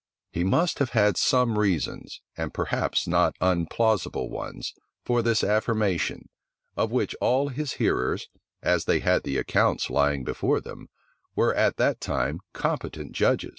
He must have had some reasons, and perhaps not unplausible ones, for this affirmation, of which all his hearers, as they had the accounts lying before them, were at that time competent judges.